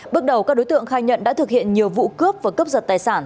bước đầu các đối tượng khai nhận đã thực hiện nhiều vụ cướp và cướp giật tài sản